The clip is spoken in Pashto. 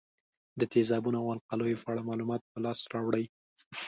د تیزابونو او القلیو په اړه معلومات په لاس راوړئ.